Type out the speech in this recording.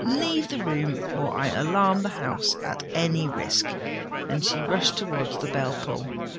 Leave the room—or I alarm the house at any risk!"—and she rushed towards the bell pull.